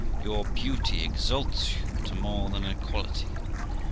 Your beauty exalts you to more than an equality.